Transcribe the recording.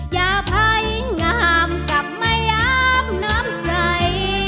อย่าพายิงงามกลับมาย้ำน้ำใจ